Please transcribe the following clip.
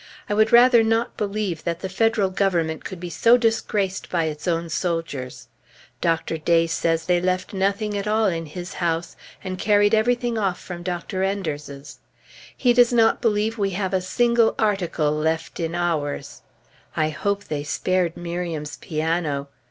I would rather not believe that the Federal Government could be so disgraced by its own soldiers. Dr. Day says they left nothing at all in his house, and carried everything off from Dr. Enders's. He does not believe we have a single article left in ours. I hope they spared Miriam's piano.